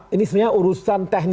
ini sebenarnya urusan teknis